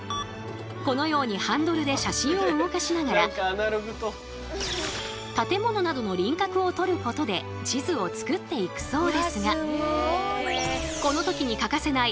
このようにハンドルで写真を動かしながら建物などの輪郭をとることで地図を作っていくそうですがこの時に欠かせない